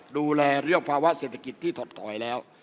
ดูแลเรื่องภาวะเศรษฐกิจที่ถดถอยแล้ว